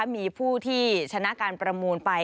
มีผู้ที่ชนะการประมูลไป